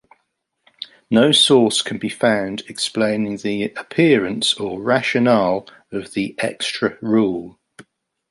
No source can be found explaining the appearance or rationale of the extra rule.